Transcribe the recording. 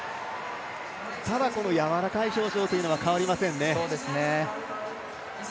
ただ、やわらかい表情というのは変わりませんね。